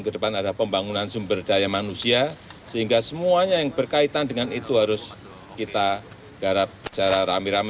kedepan ada pembangunan sumber daya manusia sehingga semuanya yang berkaitan dengan itu harus kita garap secara rame rame